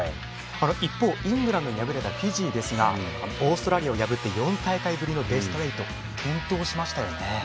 一方イングランドに敗れたフィジーはオーストラリアを破って４大会ぶりのベスト８、健闘を見せましたね。